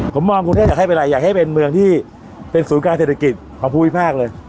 ผมมองกรุงเทพอยากให้เป็นไรอยากให้เป็นเมืองที่เป็นศูนย์การเศรษฐกิจของภูมิภาคเลย